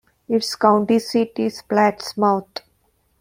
Its county seat is Plattsmouth.